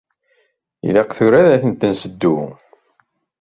Ilaq tura ad ten-nseddu?